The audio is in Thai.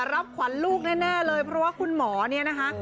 รับขวัญลูกแน่เลยเพราะว่าคุณหมอเนี่ยนะคะ